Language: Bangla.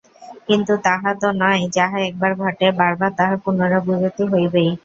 কিন্তু তাহা তো নয়, যাহা একবার ঘটে, বার বার তাহার পুনরাবৃত্তি হইবেই।